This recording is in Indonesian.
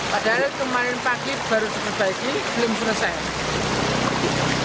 padahal kemarin pagi baru sebaik ini belum selesai